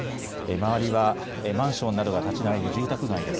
周りやマンションなどが立ち並ぶ住宅街です。